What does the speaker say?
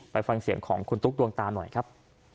ไปฟังเสียงของคุณตุ๊กดวงตาหน่อยครับ